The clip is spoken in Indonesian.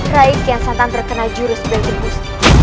rai kian santan terkena jurus beragibus